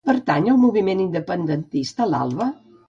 Pertany al moviment independentista l'Alba?